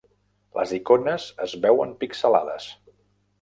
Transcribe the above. Les icones es veuen pixelades.